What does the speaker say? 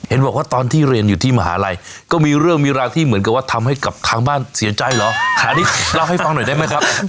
บอกว่าตอนที่เรียนอยู่ที่มหาลัยก็มีเรื่องมีราวที่เหมือนกับว่าทำให้กับทางบ้านเสียใจเหรออันนี้เล่าให้ฟังหน่อยได้ไหมครับ